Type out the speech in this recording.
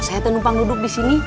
saya penumpang duduk di sini